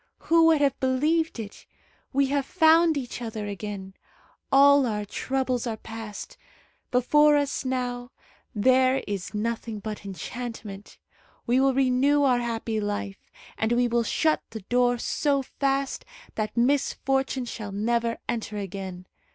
Who would have believed it? We have found each other again. All our troubles are past. Before us now there is nothing but enchantment. We will renew our happy life, and we will shut the door so fast that misfortune shall never enter again.